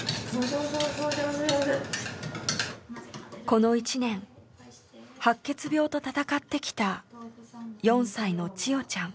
この１年白血病と闘ってきた４歳の千与ちゃん。